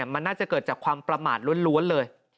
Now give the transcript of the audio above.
มันน่าจะเกิดจากความประมาทล้วนเลย